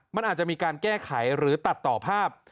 มันอาจจะมีการแก้ไขหรือตัดต่อภาพ